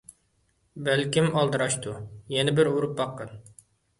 بەلكىم ئالدىراشتۇ، يەنە بىر ئۇرۇپ باققىن.